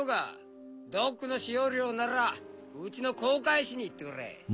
ドックの使用料ならうちの航海士に言ってくれ。